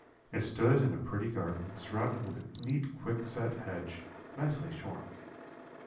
It stood in a pretty garden, surrounded with a neat quickset hedge, nicely shorn.